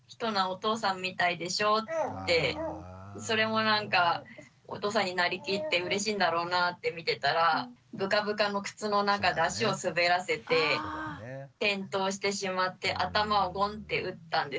それもなんかお父さんになりきってうれしいんだろうなって見てたらブカブカの靴の中で足を滑らせて転倒してしまって頭をゴンッて打ったんですね。